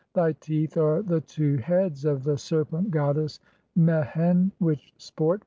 "Thy teeth are the two heads (17) of the serpent goddess Mehen "which sport